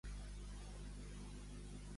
Llampa per Toix, aigua segura.